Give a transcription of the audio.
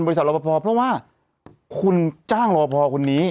บริษัทรอพอเพราะว่าคุณจ้างรอพอคนนี้